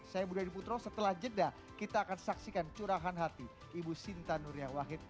saya budha diputro setelah jeda kita akan saksikan curahan hati ibu sinta nuria wahid